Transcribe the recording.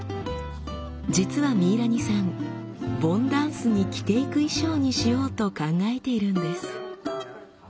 実はミイラニさん盆ダンスに着ていく衣装にしようと考えているんです。